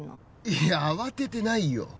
いや慌ててないよ。